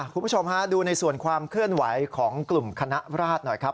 คุณผู้ชมฮะดูในส่วนความเคลื่อนไหวของกลุ่มคณะราชหน่อยครับ